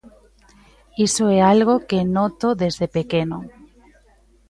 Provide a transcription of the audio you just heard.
Iso é algo que noto desde pequeno.